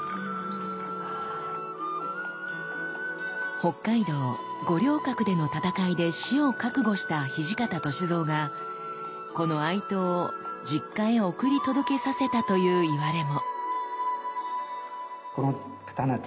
北海道五稜郭での戦いで死を覚悟した土方歳三がこの愛刀を実家へ送り届けさせたといういわれも。